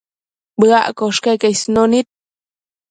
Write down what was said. Bëaccosh queque isednu nid